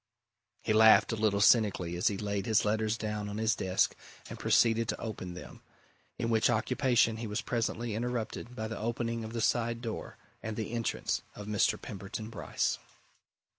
He laughed a little cynically as he laid his letters down on his desk and proceeded to open them in which occupation he was presently interrupted by the opening of the side door and the entrance of Mr. Pemberton Bryce.